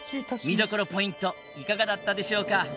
見どころポイントいかがだったでしょうか？